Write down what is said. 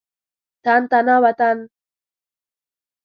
تن تنا وطن.